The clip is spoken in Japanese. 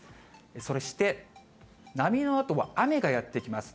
そして、波のあとは雨がやって来ます。